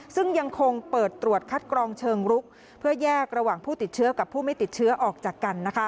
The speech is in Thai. ซึ่งยังคงเปิดตรวจคัดกรองเชิงรุกเพื่อแยกระหว่างผู้ติดเชื้อกับผู้ไม่ติดเชื้อออกจากกัน